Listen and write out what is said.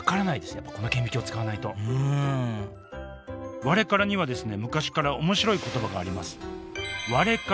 やっぱこの顕微鏡使わないとうんワレカラには昔から面白い言葉があります